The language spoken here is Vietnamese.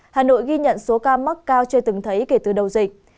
hà nội ghi nhận số ca mắc cao chưa từng thấy kể từ đầu dịch